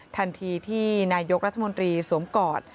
ทันทีที่นายกรัฐมนตรีสวมกอด